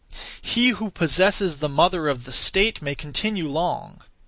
He who possesses the mother of the state may continue long.